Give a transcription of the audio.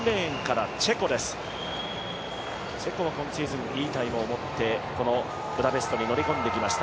チェコは今シーズンいいタイムを持ってブダペスト乗り込んできました。